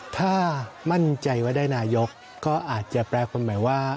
ถ้ามั่นใจว่าได้นายกก็อาจจะแปลความหมายว่า